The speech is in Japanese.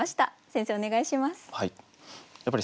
先生お願いします。